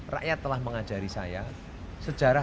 rakyat telah mengajari saya sejarah